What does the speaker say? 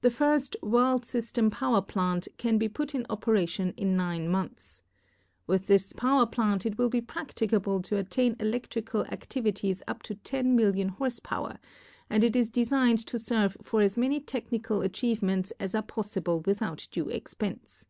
"The first 'World System' power plant can be put in operation in nine months. With this power plant it will be practicable to attain electrical ac tivities up to ten million horsepower and it is de signed to serve for as many technical achievements as are possible without due expense.